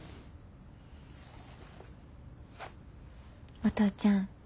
お父ちゃん